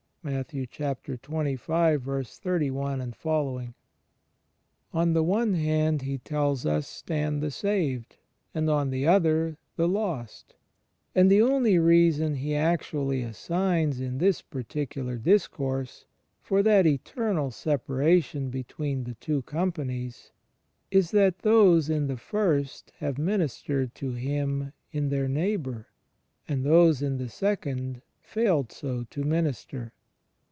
^ On the one hand, He tells us, stand the saved; and on the other the lost; and the only reason He actually assigns, in this particular discourse, for that eternal separation between the two companies, is that those in the first have ministered to Him in their neighbour; and those in the second failed so to minister.